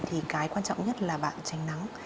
thì cái quan trọng nhất là bạn tránh nắng